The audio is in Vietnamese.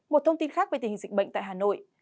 một thông tin khác về tình hình dịch bệnh tại hà nội